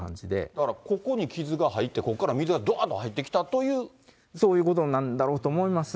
だからここに傷が入って、ここから水がどわーっと入ってきたそういうことなんだろうと思います。